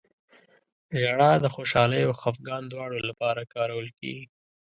• ژړا د خوشحالۍ او خفګان دواړو لپاره کارول کېږي.